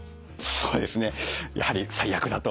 そうですねやはり最悪だと。